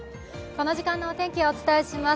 この時間のお天気をお伝えします。